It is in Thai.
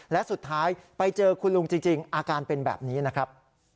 และสุดท้ายไปเจอคุณลุงจริงอาการเป็นแบบนี้นะครับ